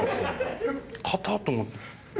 硬っ！と思って。